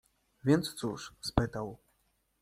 Więc cóż? — spytał.